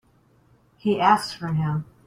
He asked for him.